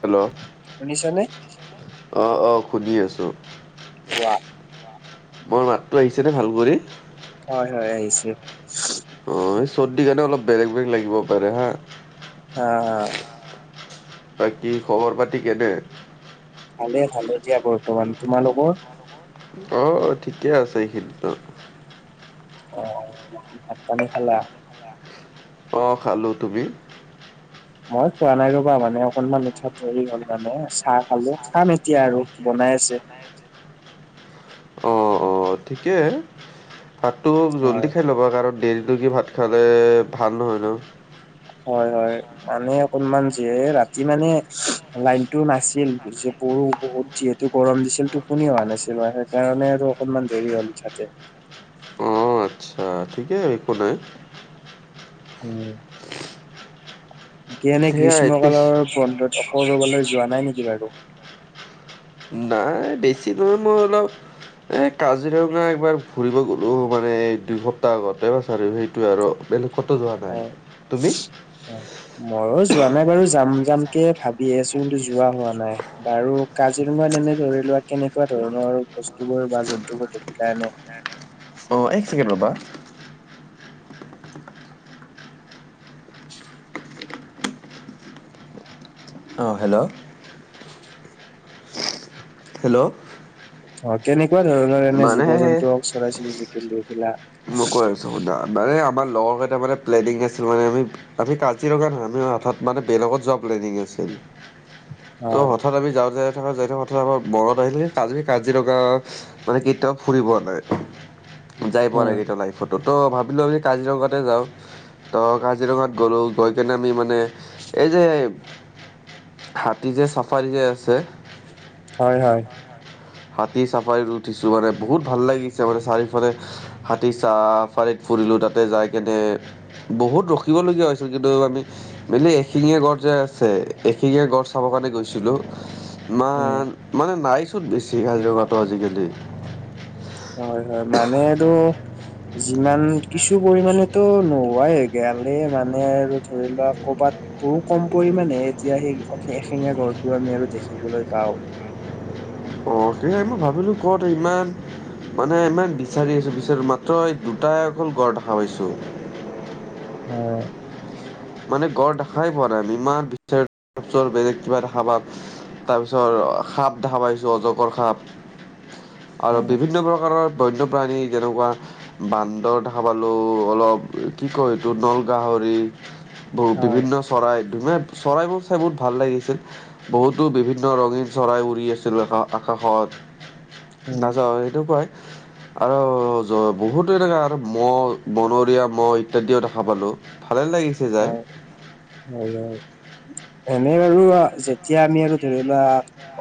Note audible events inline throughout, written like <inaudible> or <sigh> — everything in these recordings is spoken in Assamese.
হেল্ল' অহ শুনিছানে? অহ সুধি আছো। কোৱা। মোৰ মাতটো আহিছে নে ভাল কৰি? হয় হয় আহিছে। অ সেই চৰ্দি কাৰণে অলপ বেলেগ বেলেগ লাগিব পাৰে হা। অ অ। বাকী খবৰ পাতি কেনে? ভালে ভালে দিয়া বৰ্তমান, তোমালোকৰ? অ ঠিকে আছে এইখিনতো। অ ভাত পানী খালা? অঁ খালোঁ, তুমি? মই খোৱা নাই ৰবা মানে অকনমান উঠাত দেৰি হল মানে চাহ খালো, খাম এতিয়া আৰু বনাই আছে। অ', অ' ঠিকে ভাতটো জল্দি হয় খাই ল'বা কাৰণ দেৰিলৈকে ভাত খালে ভাল নহয় ন। হয় হয়। মানে অকনমান যে ৰাতি মানে লাইনটো নাছিল যে গৰম বহুত যিহেতু গৰম দিছিলটো টোপনি অহা নাছিল সেইকাৰণে আৰু অকনমান দেৰি হ'ল উঠোতে। আচ্ছা অ' ঠিকে একো নাই <inaudible> এনে সেয়াই গ্ৰীষ্ম পিছ কালৰ বন্ধত অসকালৈ যোৱা নাই নেকি বাৰু নাই বেছি নহয় মোৰ অলপ এ কাজিৰঙা একবাৰ ফুৰিব গ'লো মানে এই দুই সপ্তাহ আগতে বা আৰু সেইটোৱে আৰু বেলেগতো যোৱা নাই তুমি? মইও যোৱা নাই বাৰু যাম যাম কে ভাবি আছো কিন্তু যোৱা হোৱা নাই। বাৰু কাজিৰঙাত এনে ধৰি লোৱা কেনেকুৱা ধৰণৰ বস্তু বোৰ বা জন্তুবোৰ দেখিলা এনে অ' এক ছেকেণ্ড ৰ'বা। অ' হেল্ল' হেল্ল' অ' কেনেকুৱা ধৰণৰ এনে মানে জীৱ জন্তু হওঁক চৰাই চিৰিকতি বিলাক। মই কৈ আছোঁ শুনা মানে আমাৰ লগৰকেইটা মানে প্লেনিং আছিল মানে আমি আমি কাজিৰঙা নাযাও হঠাত মানে বেলেগত যোৱা প্লেনিং আছিল। হয় অত আমি যাওঁ যাই থাক যাই থাকো অৎ আমাৰ মনৰত আহিলে কি কাজিৰঙা মানে কেতিয়াবা ফুৰিবোৱা নাই যাই পোৱা উম নাই। লগৰতো ভাবিলো আমি কাজিৰঙাতে যাওঁ। তো কাজিৰঙাত গ'লোঁ গৈ কিনে আমি মানে এই যে হাতী যে চাফাৰী যে আছে। হয় হয়। হাতী চাফাৰী উঠিছো মানে বহুত ভাল লাগিছে মানে চাৰিওফালে হাতী চাফাৰীত ফুৰিলো তাতে যাই কেনে বহুত ৰখিবলগীয়া হৈছিল কিন্তু আমি। এশিঙীয়া গড় যে আছে এশিঙীয়া গড় চাব কাৰণে গৈছিলো। উম ইমান মানে নাই চুন বেছি কাজিৰঙাটো আজিকালি। হয় হয় মানেটো যিমান কিছু পৰিমানেটো নোহোৱাই গাল মানে আৰু ধৰি লোৱা কৰ'বাত। বহু কম পৰিমানে এতিয়া সেই এশিঙীয়া গঁড় আমি আৰু দেখিবলৈ পাওঁ। অ' সেয়াই মই ভাবিলো ক'ত ইমান মানে ইমান বিচাৰি আছো বিচাৰো মাত্ৰ দুটাই অকল গড় দেখা পাইছো অ' মানে গড় দেখাই পোৱা নাই আমি ইমান বিচাৰো বেলেগ কিবা দেখা পাম তাৰপিছত সাপ দেখা পাইছো অজগৰ সাপ আৰু উম বিভিন্ন প্ৰকাৰৰ বন্যপ্ৰাণী যেনেকুৱা বান্দৰ দেখা পালো অলপ কি কয় এইটো নল গাহৰি। বহু হয় বিভিন্ন চৰাই ধুনীয়া চৰাইবোৰ চাই বহুত ভাল লাগিছিল। বহুতো বিভিন্ন ৰঙীন চৰাই উৰি আছিল আকাশত। উম নাযাও এইটো কয়। আৰু বহুতো এনেকা আৰু মহ বনৰীয়া মহ ইত্যাদিও দেখা পালোঁ। ভালে লাগিছে যাই হয় হয় হয় এনে বাৰু যেতিয়া আমি আৰু ধৰি লোৱা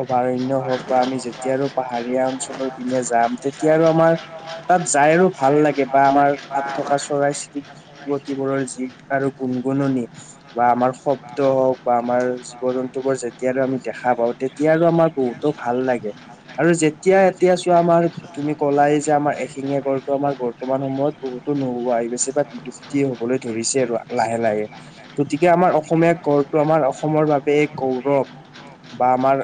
অভয়াৰণ্য হওক বা আমি যে তিয়া আৰু পাহাৰীয়া অঞ্চলৰ পিনে যাম তেতিয়া আৰু আমাৰ তাত যায় আৰু ভাল লাগে। বা আমাৰ তাত থকা চৰাই - চিৰিকটিবোৰৰ যি আৰু গুণ - গুণনি বা আমাৰ শব্দ হওক বা আমাৰ জীৱ - জন্তুবোৰ যেতিয়ালৈ আমি দেখা পাওঁ তেতিয়াৰো আমাৰ বহুতো ভাল লাগে আৰু যেতিয়া এতিয়া চোৱা আমাৰ তুমি ক'লাই যে আমাৰ এশিঙিয়া গড়টো আমাৰ বৰ্তমান সময়ত বহুতো নোহোৱা আহি গৈছে বা কি হ'বলৈ ধৰিছে আৰু। লাহে - লাহে গতিকে আমাৰ অসমীয়া গড়টো আমাৰ অসমৰ বাবে এই গৌৰৱ। বা আমাৰ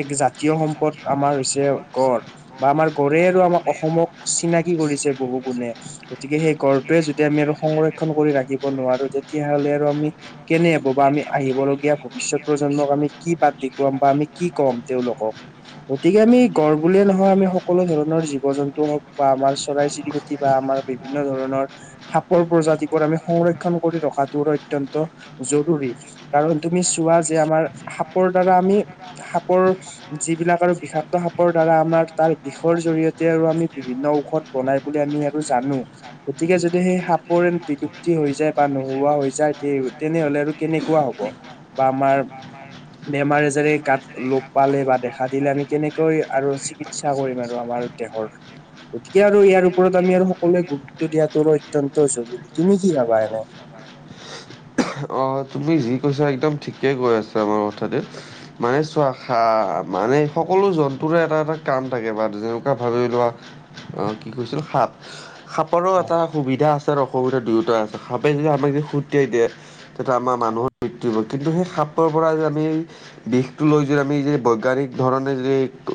এক জাতীয় সম্পদ আমাৰ হৈছে গড় বা আমাৰ গড়ে আৰু আমাৰ অসমক চিনাকি কৰিছে বহু গুণে। গতিকে সেই গড়টোৱে যদি আমি আৰু সংৰক্ষন কৰি ৰাখিব নোৱাৰো তেতিয়াহলে আৰু আমি কেনে হব বা আমি আহিব লগীয়া ভৱিষ্যত প্ৰজন্মক আমি কি বাট দেখুৱাম বা আমি কি ক'ম তেওঁলোকক? গতিকে আমি গঁড় বুলিয়ে নহয় আমি সকলো ধৰণৰ জীৱ - জন্তু হওক বা আমাৰ চৰাই - চিৰিকত কিবা আমাৰ বিভিন্ন ধৰণৰ সাপৰ প্ৰজাতিবোৰ আমি সংৰ ক্ষণ কৰি ৰখাটো আৰু অত্যন্ত জৰুৰী। কাৰণ তুমি চোৱা যে আমাৰ সাপৰ দ্বাৰা আমি সাপৰ যিবিলাক আৰু বিষাক্ত সাপৰ দ্বাৰা আমাৰ তাৰ বিষৰ জৰিয়তে আৰু আমি বিভিন্ন ঔষধ বনাই বুলি আমি আৰু জানো গতিকে যদি সেই সাপৰ বিলুপ্তি হৈ যায় বা নোহোৱা হৈ যায় তে তেনেহলে আৰু কেনেকুৱা হব বা আমাৰ বেমাৰ - আজাৰে গাত লোপ পালে বা দেখা দিলে আমি কেনেকৈ আৰু চিকি সা কৰিম আৰু আমাৰ দেহৰ? গতিকে আৰু ইয়াৰ ওপৰত আমি আৰু সকলোৱে গুৰুত্ব দিয়াটো আৰু অত্যন্ত জৰুৰী। তুমি কি ভাবা এনে? অ তুমি যি কৈছা একদম ঠিকে কৈ আছা বাৰু মুঠতে। মানে চোৱা সা মানে সকলো জন্তুৰে এটা এটা কাম থাকে বা যেনেকুৱা ভাবি লোৱা অ' কি কৈছো সাপ সাপৰো হয় এটা সুবিধা আছে আৰু অসুবিধা দুয়োটাই আছে, সাপে যদি আমাক যদি খুটিয়াই দিয়ে যিহেটো আমাৰ মানুহৰ হয় মৃত্যু হব কিন্তু সেই সাপৰ পৰা যে আমি বিষটো লৈ যদি আমি যে বৈজ্ঞানিক ধৰণে যে টো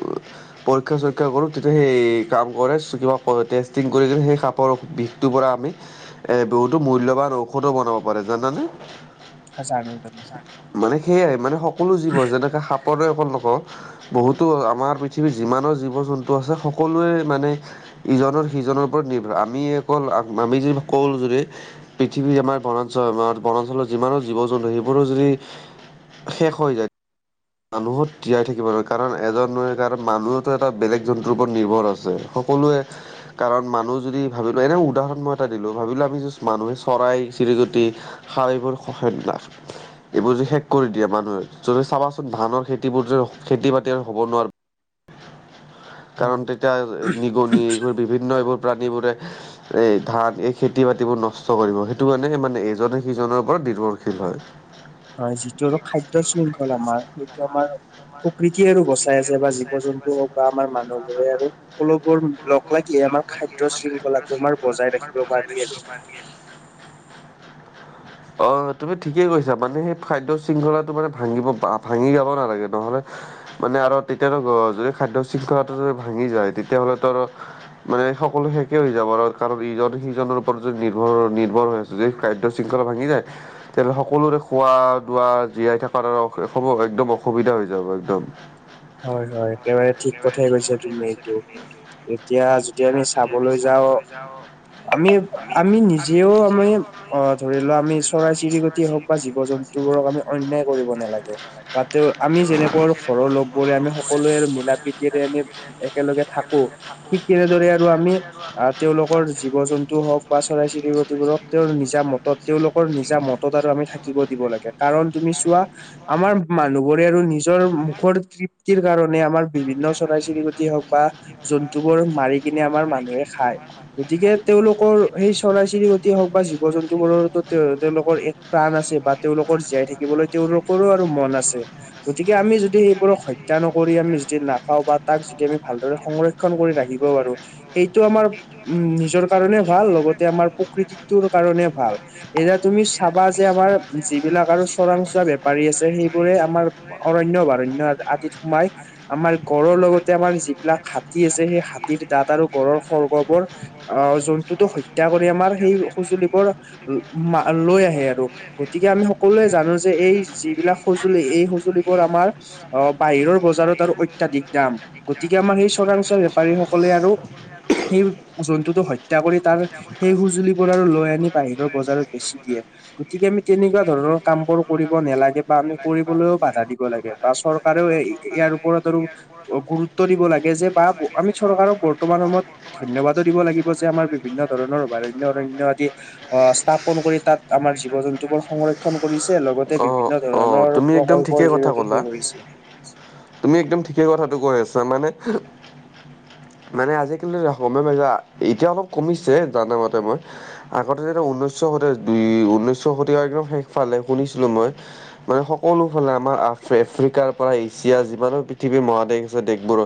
পৰীক্ষা - চৰীক্ষা কৰোঁ তেতিয়া সেই কাম কৰে চ কিবা কৰ টেষ্টিং কৰি কিনে সেই সাপৰ বিষ টোৰ পৰা আমি এ বহুতো মূল্যৱান ঔষধো বনাব পাৰে জানানে? আচ্ছা আনৈ তাত। মানে সেয়াই মানে সকলো জীৱ যেনেকে সাপৰে অকল নকওঁ বহুতো আমাৰ পৃথিৱীত যিমানৰ জীৱ - জন্তু আছে সকলোৱে মানে ইজনৰ সিজনৰ ওপৰত নিৰ্ভ আমি এইবোৰ আম আমি যি কওঁ যদি পৃথিৱীৰ আমাৰ বনাঞ্চল আমাৰ বনাঞ্চলত যিমানো জীৱ জন্তু সেইবোৰো যদি শেষ হৈ যায় মানুহক তিয়াই থাকিব নোৱাৰে কাৰণ এজন কাৰণ মানুহো এটা বেলেগ জন্তুৰ ওপৰত নিৰ্ভৰ আছে, সকলোৱে কাৰণ মানুহ যদি ভাবিলো এনে উদাহৰণ মই এটা দিলো ভাবিলো আমি জাষ্ট মানুহে চৰাই - চিৰিকটি শাৰ এইবোৰ সেই অ এইবোৰ যে শেষ কৰি দিয়ে মানুহে যদি চাবাচো ধানৰ খেতিবোৰ যে খেতি - বাতি আৰু হব নোৱাৰো? হয় কাৰণ তেতিয়া নিগনি এইবোৰ বিভিন্ন এইবোৰ প্ৰাণীবোৰে এই ধান এই খেতি - বাতিবোৰ নষ্ট কৰিব সেইটো কাৰণে সেই মানে এজনে সিজনৰ ওপৰত নিৰ্ভৰশীল হয়। হয়, যিটো অলপ খাদ্য শৃংখল আমাৰ সেইটো আমাৰ প্ৰকৃতিয়ে আৰু বচাই আছে বা জীৱ - জন্তু হওক বা আমাৰ মানুহবোৰে আৰু সকলোবোৰ লগ লাগ <inaudible> <unintelligible> অ' ৰাখিব পাৰি আৰু তুমি ঠিকেই কৈছা মানে সেই খাদ্য শৃংখলাটো মানে ভাঙিব ভাঙি যাব নালাগে নহলে মানে আৰু তেতিয়া যদি খাদ্য শৃংখলাটো যদি ভাঙি যায় তেতিয়া হলেতোৰ মানে সকলো শেষে হৈ যাব আৰু কাৰণ ইজন সিজনৰ ওপৰত যদি নিৰ্ভৰ নিৰ্ভৰ হৈ আছে যদি খাদ্য শৃংখলা ভাঙি যায় তেতিয়াহলে সকলোৰে খোৱা লোৱা জীয়াই থকাত আৰু একদম অসুবিধা হৈ যাব একদম হয় হয় একেবাৰে ঠিক কথা কৈছা তুমি এইটো এ এতিয়া যদি আমি চাবলৈ যাওঁ আমি আমি নিজেও আমি অ ধৰি লোৱা আমি চৰাই চিৰিকটি হওক বা জীৱ জন্তুবোৰক আমি অন্যায় কৰিব নালাগে বা তেওঁ আমি যেনেকুৱা আৰু ঘৰৰ লোক আমি সকলোৱে আৰু মিলা প্ৰীতিৰে আমি একেলগে থাকো ঠিক তেনেদৰে তাতে আৰু আমি তেওঁলোকৰ জীৱ জন্তু হওক বা চৰাই চিৰিকটি তেওঁ নিজা মতত তেওঁলোক কৰ নিজা মতত আৰু আমি থাকিব দিব লাগে কাৰণ তুমি চোৱা আমাৰ মানুহবোৰে আৰু নিজৰ মুখৰ তৃপ্তিৰ কাৰণে আমাৰ বিভিন্ন চৰাই চিৰিকটি হওক বা জন্তু বোৰ মাৰি কিনে আমাৰ মানুহে খায় গতিকে তেওঁলোকৰ সেই চৰাই চিৰিকটিয়ে হওক বা জীৱ জন্তুবোৰো তেওঁ তেওঁলোকৰ প্ৰাণ আছে বা তেওঁলোকৰ জীয়াই থাকিবলৈ তেওঁলোকৰো আৰু মন আছে গতিকে আমি যদি সেইবোৰক হত হত্যা নকৰি আমি যদি না নাখাওঁ বা তাক যদি আমি ভালদৰে সংৰক্ষণ কৰি ৰাখিব পাৰো সেইটো আমাৰ উম নিজৰ কাৰণে ভাল লগতে আমাৰ প্ৰকৃতিটোৰ কাৰণে ভাল এতিয়া তুমি চাবা যে আমাৰ যিবিলাক আৰু চোৰাং চোৱা বেপাৰী আছে সেইবোৰে আমাৰ অৰণ্য বৰণ্য আদিত মাইক গড়ৰ লগতে আমাৰ যিবিলাক হাতী আছে সেই হাতীৰ দাঁত আৰু গড়ৰ খৰ্গবোৰ অহ যোন টো হত্যা কৰি আমাৰ সেই সজুলিবোৰ মা লৈ আহে আৰু গতিকে আমি সকলোৱে জানো যে এই যিবিলাক সঁজুলি এই সঁজুলিবোৰ আমাৰ অ বাহিৰৰ বজাৰত আৰু অত্যাধিক দাম গতিকে আমাৰ সেই চোৰাংচোৱা বেপাৰীসকলে আৰু সেই জন্তুটো হত্যা কৰি তাৰ সেই সজুলিবোৰ আৰু লৈ আনি বাহিৰৰ বজাৰত বেচি দিয়ে গতিকে আমি তেনেকুৱা ধৰণৰ কামবোৰ কৰিব নালাগে বা আমি কৰিবলৈও বাধা দিব লাগে বা চৰকাৰ চৰকাৰেও ইয়াৰ ওপৰত তো গুৰুত্ব দিব লাগে যে বা আমি চৰকাৰক বৰ্তমান সময়ত ধন্যবাদো দিব লাগিব যে আমাৰ বিভিন্ন ধৰণৰ অভাৰণ্য অৰণ্য আদি অ স্থাপন কৰি তাত আমাৰ জীৱ জন্তু বোৰ সংৰ ক্ষণ কৰিছে লগতে অ বিভিন্ন অ ধৰণৰ তুমি একদম প্ৰকল্পৰ ঠিকেই কথা জৰিয়তে ক'লা শেষ হৈছে তুমি একদম ঠিকেই কথাটো কৈ আছা মানে মানে আজিকালি সময় য়া এতিয়া অলপ কমিছে জানা মতে মই আগতে যে ঊনৈছশ হ দুই ঊনৈছশ শতিকাৰ একদম শেষ ফালে শুনিছিলো মই মানে সকলো ফালে আমাৰ আফ্ৰিকাৰ পৰা এছিয়া মানে পৃথিৱী মহাদেশ আছে দেশবোৰৰ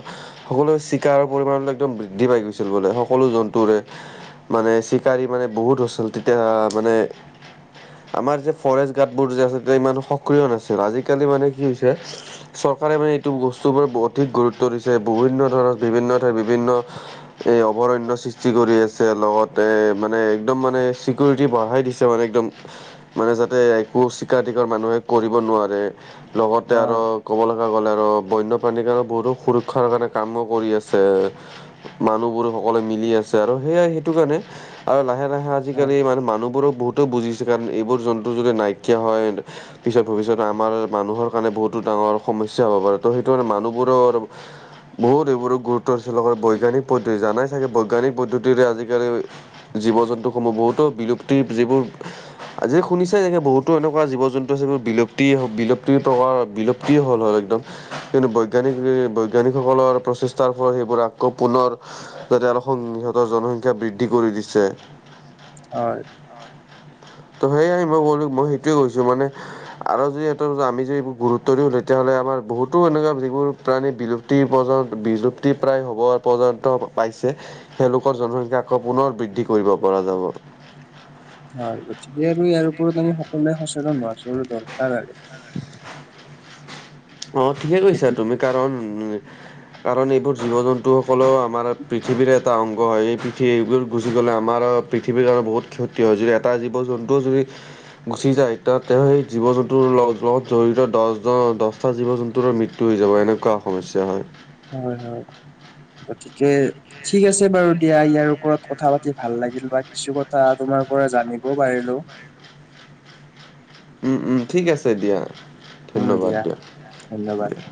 সকলো চিকাৰৰ পৰিমাণটো একদম বৃদ্ধি পাই গৈছিল বোলে সকলো জন্তুৰে মানে চিকাৰী মানে বহুত হৈছিল তেতিয়া মানে আমাৰ যে ফৰেষ্ট গাৰ্ডবোৰ যে আছে ইমান সক্ৰিয় নাছিল আজিকালি মানে কি হৈছে চৰকাৰে মানে এইটো বস্তুৰ অধিক গুৰুত্ব দিছে বিভিন্ন ধৰণৰ বিভিন্ন ঠাইৰ বিভিন্ন এ অভয়াৰণ্য সৃষ্টি কৰি আছে লগতে মানে একদম মানে চিকৰটি বঢ়াই দিছে মানে একদম মানে যাতে একো চিকাৰ টিকাৰ মানুহে কৰিব নোৱাৰে লগতে আৰু হয় ক'ব লগা গলে আৰু বন্যপ্ৰাণীৰ কাৰণে বহুতো সুৰক্ষাৰ কাৰণে কামো কৰি আছে। <unintelligible> মানুহবোৰ সকলোৱে মিলি আছে আৰু সেইয়াই সেইটো কাৰণে আৰু লাহে-লাহ <unintelligible> হয় আজিকালি মানে মানুহবোৰক বহুতো বুজিছে কাৰণ এইবোৰ জন্তু যদি নাইকিয়া হয় <unintelligible> পিছত ভৱিষ্যতে আমাৰ মানুহৰ কাৰণে বহুতো ডাঙৰ সমস্যা হ'ব পাৰে। ত' সেইটো কাৰণে মানুহবোৰৰ <inaudible> বহুত এইবোৰ গুৰুত্ব দিছিল বৈজ্ঞানিক পদ্ধতি জানাই চাগে বৈজ্ঞানিক পদ্ধতিৰে আজিকালি <inaudible> জীৱ-জন্তুসমূহ বহুতো বিলুপ্তিৰ যিবোৰ <unintelligible> আজি শুনিছে যেনেকে বহুতো এনেকুৱা জীৱ-জন্তু আছে বিলুপ্তি-বিলুপ্তি প্ৰকাৰ বিলুপ্তি হ'ল হয় একদম। <unintelligible> কিন্তু বৈজ্ঞানিক বৈজ্ঞানিকসকলৰ প্ৰচেষ্টাৰ ফলত সেইবোৰ আকৌ পুনৰ <unintelligible> যাতে আৰু <inaudible> সিহঁতৰ জনসংখ্যা বৃদ্ধি কৰি দিছে। হয়। ত সেইয়াই মই কলো। মই সেইটোৱেই কৈছো মানে <unintelligible> আৰু যদি এইটো <inaudible> আমি যদি গুৰুত্ব দিওঁ তেতিয়াহ'লে আমাৰ বহুতো এনেকুৱা যিবোৰ প্ৰাণী বিলুপ্তি পৰ্যন্ত বিলুপ্তি প্ৰায় হ'ব পৰ্যন্ত পাইছে। <unintelligible> সেইলোকৰ জনসংখ্যা আকৌ পুনৰ বৃদ্ধি কৰিব পৰা যাব। <unintelligible> হয়। গতিকে আৰু ইয়াৰ ওপৰত আমি সকলোৱে সচেতন হোৱাতো দৰকাৰ আৰু। <unintelligible> <unintelligible> অঁ ঠিকে কৈছা গতিকে তুমি কাৰণ উ <inaudible> কাৰণ এইবোৰ জীৱ-জন্তুসকলেও আমাৰ পৃথিৱীৰৰে এটা অংগ হয়। এই পৃথিৱীবোৰ গুচি গ'লে আমাৰ <unintelligible> পৃথিৱীৰ কাৰণে বহুত ক্ষতি হয়। যদি এটা জীৱ-জন্তুও যদি <unintelligible> গুচি যায় এতিয়া তেওঁ সেই জীৱ-জন্তুৰ লগ <unintelligible> প্লট জড়িত দহ দহটা জীৱ-জন্তুৰ মৃত্যু হৈ যাব এনেকুৱা সমস্যা হয়। <unintelligible> হয়-হয় <inaudible> গতিকে ঠিক আছে বাৰু দিয়া। ইয়াৰ ওপৰত কথা পাতি ভাল লাগিল বা কিছু কথা তোমাৰ পৰা জানিবও পাৰিলো। <unintelligible> উম-উম। ঠিক আছে দিয়া। <inaudible> উম দিয়া ধন্যবাদ। <inaudible>